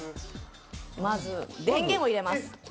まず、電源を入れます。